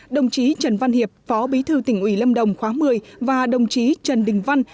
đồng chí trần văn hiệp phó bí thư tỉnh ủy lâm đồng khóa một mươi và đồng chí trần đình văn